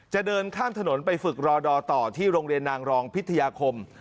จะเดินข้ามถนนไปฝึกรอดอต่อที่โรงเรียนนางรองพิทยาคม